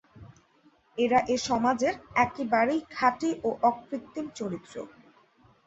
এরা এ সমাজের একেবারেই খাঁটি ও অকৃত্রিম চরিত্র।